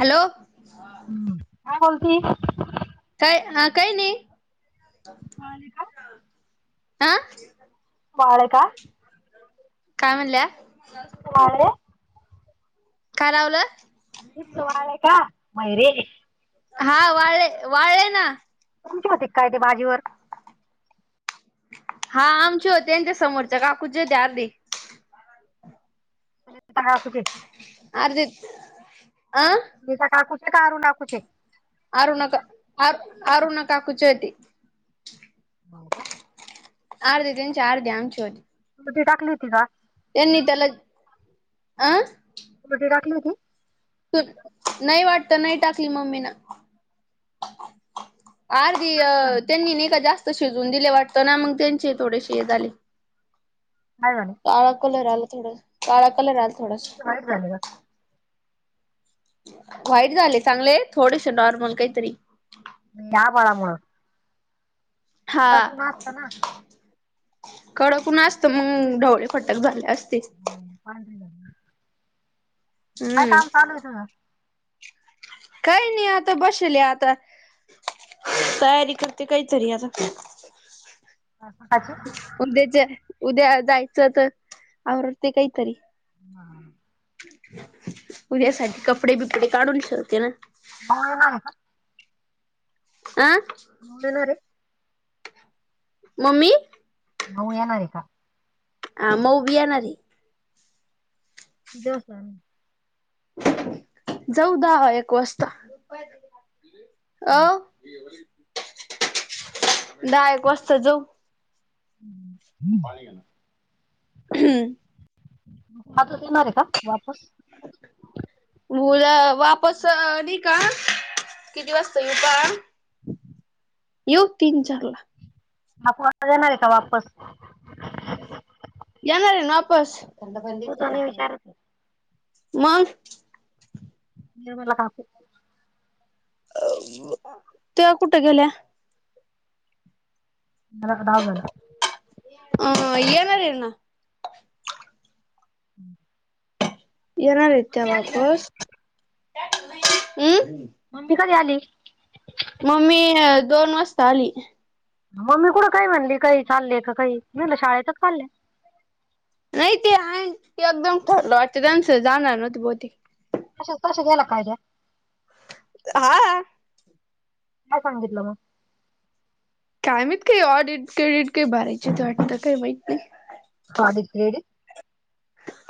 Hello! हम्म काय बोलती! काय हां काय नाही, वाळे का आं! वाळे का? काय म्हणल्या? वाळले काय लावलस? इथं वाळले का हाय रे. हा, वाळलय वाळलय ना. तुमचे होते काय ते भाजीवर. हा, आमचे होते त्यांच्या समोरच्या काकूच्या होते अर्धी. असच [unintelligible] अर्धच आ, मी सकाळ उशीर काढून टाकलं काकूचे. अरुण नका अरुणा अरुणा काकूची होती. हो का, आर्ध त्यांच्या आर्ध आमची होते. इथे ती टाकली होती का. त्यांनी त्याला ''अं'' कुठे टाकली होती. त नाही वाटत नाही टाकली मम्मी न आर. ती का नाही झाली त्यांनी नाही का जास्त शिजवून दिले वाटत ना मग त्यांचे थोडेसे हे झाले. काय झालं. काळा कलर आलं थोडं काळा कलर आला. थोडासा वाईट झाल. व्हाईट झाले चांगले थोडेसे नाॅर्मल काहीतरी. या आभाळामुळ. हा, असतं ना कडक ऊन असत मग ढवळे. फटक एकदम झाले असती. [unintelligible] काय हम्म काम चालू आहे तुझं. काही नाही आता बशिवलय आता. तयारी करते विचार त्यासाठी, [unintelligible] उद्या जे उद्या जायचं तर आवर ते काहीतरी. हा, उद्यासाठी कपडे बिपडे काढून ठेवते ना. बाहेर गेले का. ''आं'' [unintelligible] रे मम्मी. भाऊ येनार आहे का. अ मऊ बि येनारेय. किती वाजता. जाउ दहा एक वाजता. अ दहा एक वाजता जाऊ. हम, हम्म, खात येणार आहे का वापस. मुलं वापस नि का. किती वाजता येउ पहा येऊ तीन चार ला. आकु वाचता येणारंय का वापस. येणार आहे ना वापस होत नाही विचारत आहे. मग निर्मला काकु त्या कुठे गेल्या मला वाटल डाव झाला अं येणारे ना [unintelligible] येणारये त्या वापस हम् मम्मी कधी आली मम्मी दोन वाजता आली मम्मी कुंठ काही म्हणली काही चालले का काही मी म्हणलं शाळेतच चालल्या नाही ते आहे ते एकदम ठरले, वाटतं त्यांच जाणार नव्हते बहुतेक तसं तसं गेला कायदे हां काय सांगितलं मग काय माहित काही ऑडिट क्रेडिट काही भरायचे ते वाटतं काही माहीत नाही ऑडिट, क्रेडिट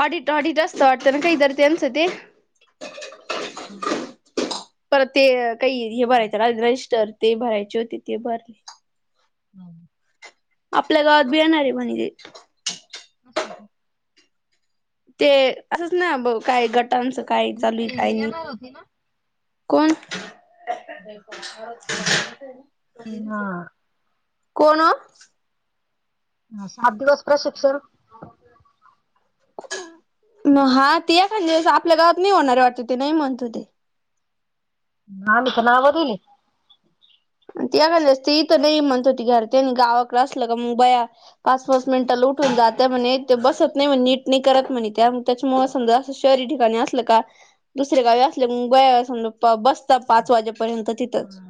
ऑडीट, ऑडीट, असत वाटत ना कायतरी त्यांच ते हम् परत ते काही हे भरायचं राहिलं रजिस्टर ते भरायचे होते ते भरले हं आपल्या देणारे म्हणे हे कसल ते ते असंच ना ब काही गटांचं काय आणि चालू आहे ते काय हे नाही येणार होते ना कोण ते ना कोण ऒ सात दिवस प्रशिक्षण हां ते एखांद वेळस आपल्या गावात नाही होणारे वाटते ते नाही म्हणत होते आम्ही तर नावं दिली एखाद इथं नाही म्हणत होती, घर ते आणि गावाकडे असलं का मग बया पाच पाच मिनिटाल उठून जात्या म्हणे ते बसत नाही म्हणे नीट नाही करत म्हणे त्या, त्याच्यामुळे समजा शहरी ठिकाणी असलं का दुसरे गावी असल्या बया, समजा बसता पाच वाजेपर्यंत तिथंच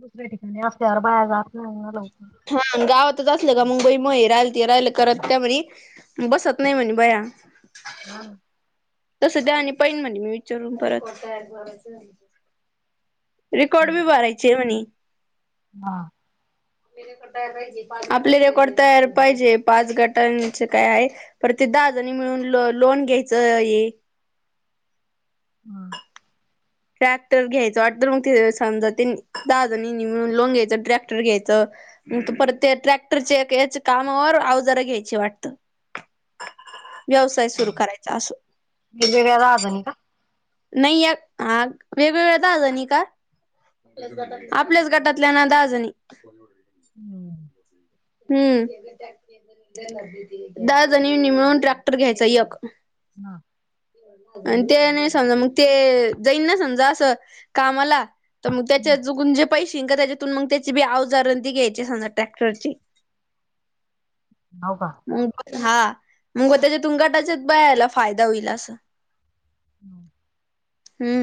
दुसऱ्या ठिकाणी असल्यावर बया जात नाही ना लवकर हा गावातच असलं का मग बई मग हे राहिल ते राहिलं करत त्या म्हणे बसत नाही म्हणे बया हां तसं त्या म्हणी पहिन मी विचारून परत रेकॉर्ड बी भरायचे आहे म्हणे हां आपले रेकॉर्ड तयार पाहिजे पाच गटांच काय आहे पर ते दहाजनी मिळून ल लोन घ्यायचं ये हा ट्रॅक्टर घ्यायचं वाटत मगते समजा ते दहा जणी मिळून लोन घ्यायचं ट्रॅक्टर घ्यायचं मग परत ते ट्रॅक्टरच्या याच्या कामावर अवजार घ्यायची वाटतं [inaudible] व्यवसाय सुरू करायचा असं. वेरवेेगळ्या बाजूंनी का? नाई या आग वेगवेगळ्या दहा जणी का? आपल्याच गटातल्या ना दहा जणी. हम्म. हम्म. दहा जणीनी मिळून ट्रॅक्टर घ्यायचा यक. आणि ते नाय समजा मग ते जाईन ना समजा असं कामाला. तर मग त्याच्या चुकून जे पैसे येईल का त्याच्यातून मग त्याची बी आवजार अन् ती घ्यायची समजा ट्रॅक्टरची. हाव का? मग हा मग त्याच्यातून गटाच्याय बायांला फायदा होईल असं. हम्म. हम्म